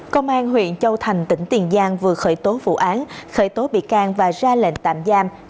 công an huyện châu thành tỉnh tiền giang vừa khởi tố vụ án khởi tố bị can và ra lệnh tạm giam